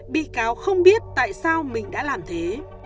bị cáo không biết tại sao mình đã làm thế